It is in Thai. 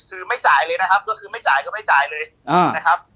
คือไม่จ่ายเลยนะครับก็คือไม่จ่ายก็ไม่จ่ายเลยนะครับ